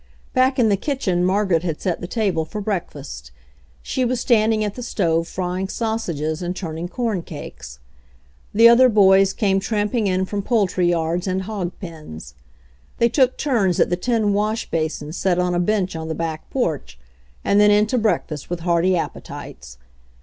Back in the kitchen Margaret had set the table for breakfast. She was standing at the stove fry ing sausages and turning corn cakes. The other boys came tramping in from poultry yards and hog pens. They took turns at the tin washbasin set on a bench on the back porch, and then in to breakfast with hearty appetites.